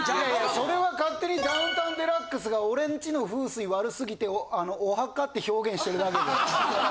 それは勝手に『ダウンタウンＤＸ』が俺んちの風水悪すぎてお墓って表現してるだけで。